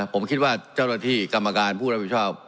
ผมคิดว่าเจ้าหน้าที่กรรมการผู้รับผิดชอบ